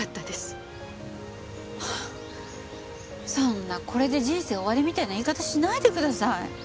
そんなこれで人生終わりみたいな言い方しないでください。